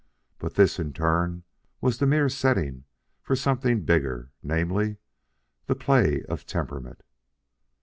But this, in turn, was the mere setting for something bigger, namely, the play of temperament.